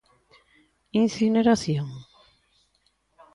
Incineración?